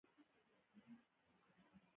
لوی بازار د پانګې جذب ته اړتیا لري.